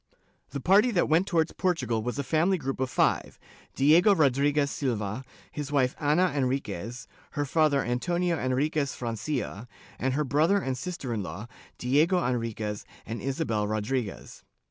The party that went towards Portugal was a family group of five — Diego Rodriguez Silva, his wife Ana Enriquez, her father Antonio Enriquez Francia, and her brother and sister in law, Diego Enriquez and Isabel Rodriguez.